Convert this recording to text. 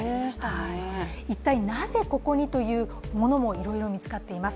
一体なぜここにというものもいろいろ見つかっています。